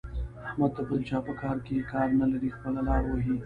احمد د بل چا په کار کې کار نه لري؛ خپله لاره وهي.